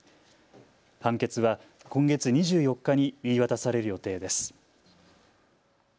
判決は今月２４日に言い渡される予定です。